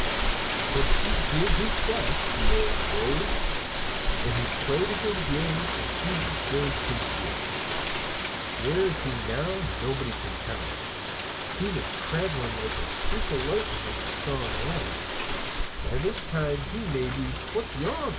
But he did his best, the old rogue; he played a good game, and he deserved to win. Where he is now nobody can tell. He was traveling like a streak of lightning when I last saw him. By this time he may be " "What's yon?"